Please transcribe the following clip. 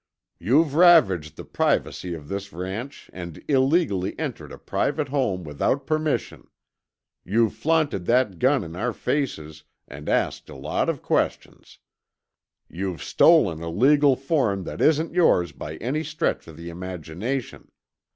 "You've ravaged the privacy of this ranch and illegally entered a private home without permission. You've flaunted that gun in our faces and asked a lot of questions. You've stolen a legal form that isn't yours by any stretch of the imagination.